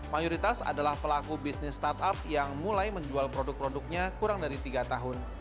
mayoritas adalah pelaku bisnis startup yang mulai menjual produk produknya kurang dari tiga tahun